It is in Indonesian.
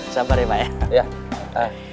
sabar ya pak